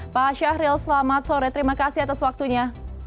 pak syahril selamat sore terima kasih atas waktunya